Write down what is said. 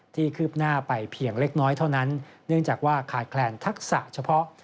คืบหน้าไปเพียงเล็กน้อยเท่านั้นเนื่องจากว่าขาดแคลนทักษะเฉพาะ